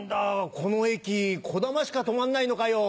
この駅こだましか止まんないのかよ。